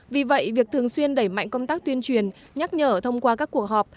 vì vậy việc thường xuyên đẩy mạnh công tác tuyên truyền nhắc nhở thông qua các cuộc họp